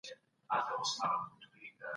هغه سيمې چي محرومې دي، بايد په پام کي ونيول سي.